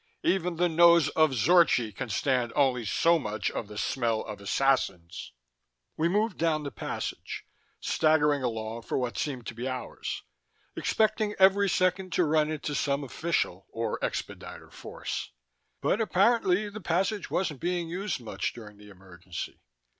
Even the nose of Zorchi can stand only so much of the smell of assassins!" We moved down the passage, staggering along for what seemed to be hours, expecting every second to run into some official or expediter force. But apparently the passage wasn't being used much during the emergency.